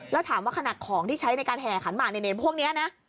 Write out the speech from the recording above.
แล้วถามว่าขนาดของที่ใช้ในการแห่ขันหมากพวกนี้นะ